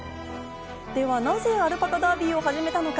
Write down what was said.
ではなぜアルパカダービーを始めたのか。